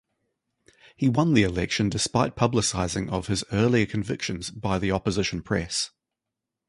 He won the election despite publicizing of his earlier convictions by the opposition press.